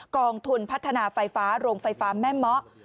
กองทุนพัฒนาไฟฟ้าโรงไฟฟ้าแม่เมาะ